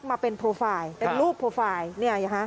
มาเป็นโปรไฟล์เป็นรูปโปรไฟล์